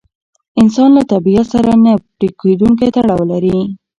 انسان له طبیعت سره نه پرېکېدونکی تړاو لري.